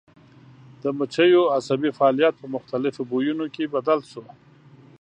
د مچیو عصبي فعالیت په مختلفو بویونو کې بدل شو.